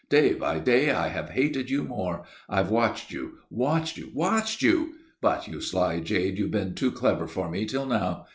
Day by day I have hated you more. I've watched you, watched you, watched you! But, you sly jade, you've been too clever for me till now.